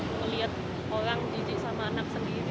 ngelihat orang jijik sama anak sendiri